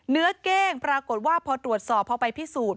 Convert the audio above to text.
เก้งปรากฏว่าพอตรวจสอบพอไปพิสูจน์